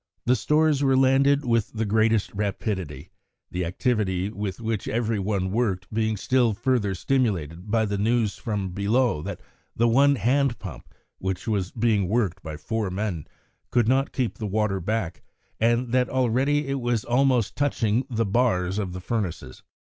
The stores were landed with the greatest rapidity, the activity with which every one worked being still further stimulated by the news from below that the one hand pump, which was being worked by four men, could not keep the water back, and that already it was almost touching the bars of the furnaces.